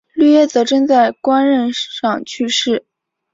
耶律铎轸在官任上去世。